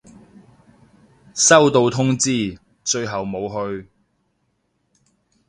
收到通知，最後冇去